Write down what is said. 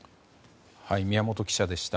宮本記者でした。